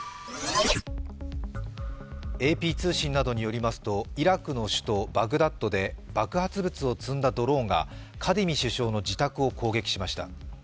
ＡＰ通信などによりますと、イラクの首都バグダッドで爆発物を積んだドローンがカディミ首相の自宅を攻撃しました。